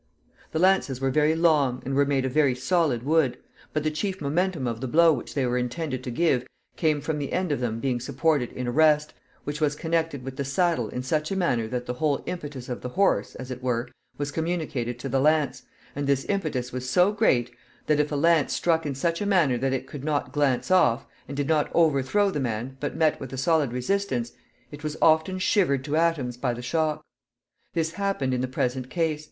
The lances were very long, and were made of very solid wood, but the chief momentum of the blow which they were intended to give came from the end of them being supported in a rest, which was connected with the saddle in such a manner that the whole impetus of the horse, as it were, was communicated to the lance, and this impetus was so great, that if a lance struck in such a manner that it could not glance off, and did not overthrow the man, but met with a solid resistance, it was often shivered to atoms by the shock. This happened in the present case.